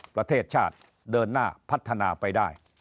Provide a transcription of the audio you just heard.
ประเทศชาติเดินหน้าพัฒนาไปได้